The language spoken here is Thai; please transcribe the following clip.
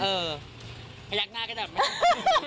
เออพยักหน้าก็ได้